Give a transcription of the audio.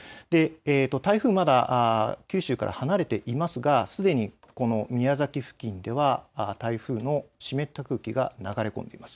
台風、まだ九州から離れていますが、すでに宮崎付近では台風の湿った空気が流れ込んでいます。